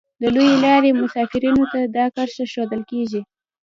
د لویې لارې مسافرینو ته دا کرښه ښودل کیږي